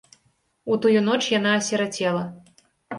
У тую ноч яна асірацела.